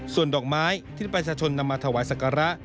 ส่วนดอกไม้ที่ประชาชนนำมาถวายศักระ